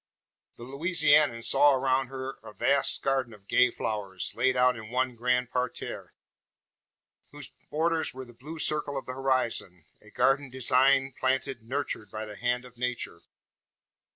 The Louisianian saw around her a vast garden of gay flowers, laid out in one grand parterre, whose borders were the blue circle of the horizon a garden designed, planted, nurtured, by the hand of Nature.